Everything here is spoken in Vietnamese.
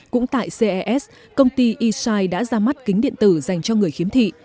cũng tại ces công ty e sci đã ra mắt kính điện tử dành cho người khiếm thị